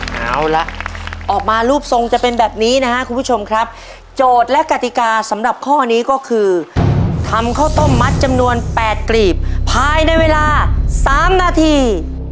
เอาละออกมารูปทรงจะเป็นแบบนี้นะครับคุณผู้ชมครับโจทย์และกติกาสำหรับข้อนี้ก็คือทำข้าวต้มมัดจำนวน๘กรีบภายในเวลา๓นาที